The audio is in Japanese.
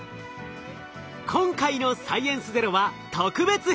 今回の「サイエンスＺＥＲＯ」は特別編！